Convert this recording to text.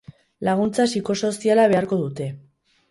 Laguntza psikosoziala beharko dute.